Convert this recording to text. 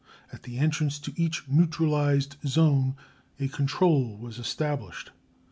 At the entrance to each neutralised zone a "control" was established.